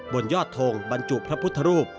บนยอดทงบรรจุพระพุทธรูป